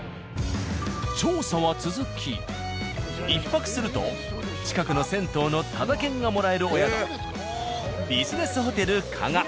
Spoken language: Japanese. １泊すると近くの銭湯のタダ券がもらえるお宿ビジネスホテル加賀。